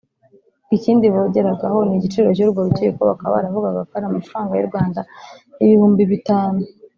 Ikindi bogeragaho ni igiciro cy’urwo rukiko bakaba baravugaga ko ari amafaranga y’ u Rwanda ibihumbi bitanu